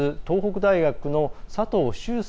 東北大学の佐藤衆